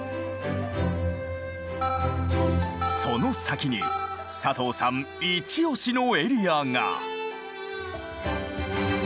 その先に佐藤さんイチオシのエリアが。